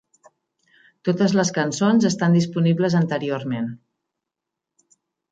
Totes les cançons estan disponibles anteriorment.